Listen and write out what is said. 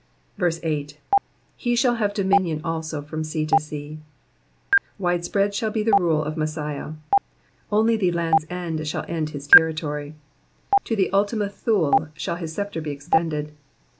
8. ^''He shall have dominion also from sea to sea.'''' Wide spread siiall be the rule of Messiah ; only the Land's End shall end his territory : to the Ultima Thule shall his sceptre be extended.